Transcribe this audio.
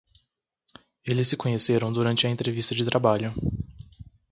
Eles se conheceram durante a entrevista de trabalho